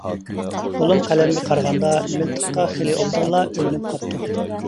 قولۇم قەلەمگە قارىغاندا مىلتىققا خېلى ئوبدانلا ئۆگىنىپ قاپتۇ.